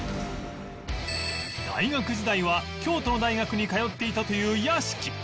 大学時代は京都の大学に通っていたという屋敷